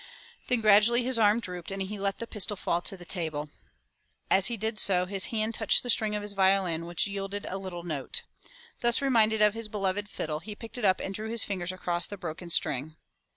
Then gradually his arm drooped and he let the pistol fall to the table. As he did so, his hand touched the string of his violin which yielded a little note. Thus reminded of his beloved fiddle, he picked it up and drew his fingers across the broken string.